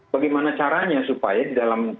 bagaimana caranya supaya di dalam